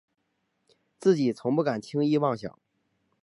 自己从不敢轻易妄想